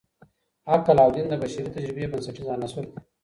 عقل او دین د بشري تجربې بنسټیز عناصر دي.